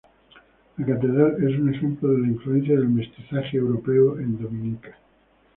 La catedral es un ejemplo de la influencia del mestizaje europeo en Dominica.